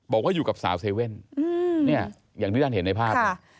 บอกว่าอยู่กับสาวเซเว่นอย่างที่ด้านเห็นในภาพ